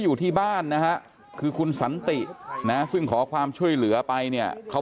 อยู่ที่บ้านนะฮะคือคุณสันตินะซึ่งขอความช่วยเหลือไปเนี่ยเขา